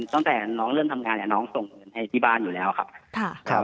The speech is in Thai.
ตั้งแต่น้องเริ่มทำงานเนี่ยน้องส่งเงินให้ที่บ้านอยู่แล้วครับ